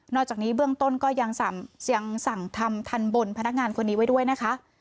จากนี้เบื้องต้นก็ยังสั่งทำทันบนพนักงานคนนี้ไว้ด้วยนะคะ